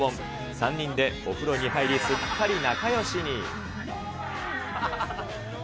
３人でお風呂に入り、すっかり仲よしに。